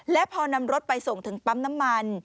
และพอนำรถไปส่งถึงปั๊มน้ำมัน